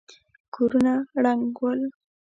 کورونه ړنګ ول.